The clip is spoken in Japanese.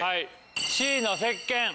Ｃのせっけん。